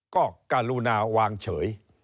ก็กรุณาวางเฉย